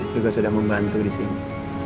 juga sudah membantu di sini